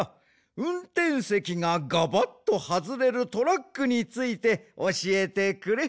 うんてんせきがガバッとはずれるトラックについておしえてくれ。